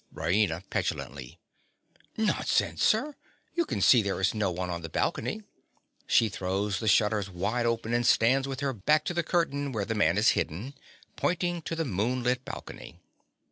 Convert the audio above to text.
RAINA. (petulantly). Nonsense, sir, you can see that there is no one on the balcony. (_She throws the shutters wide open and stands with her back to the curtain where the man is hidden, pointing to the moonlit balcony.